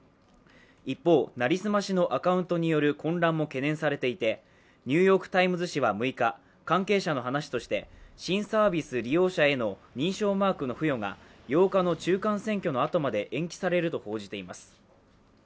一方、成り済ましのアカウントによる混乱も懸念されていて「ニューヨーク・タイムズ」紙は６日、関係者の話として新サービス利用者への認証マークの付与が８日の中間選挙の後まで延期されると報じています。